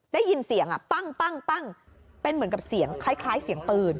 ได้ยินเสียงอ่ะเป็นเหมือนกับเสียงคล้าย